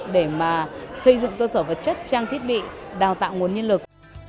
để mà xây dựng cơ sở vật chất trang thiết bị đào tạo nguồn nhân lực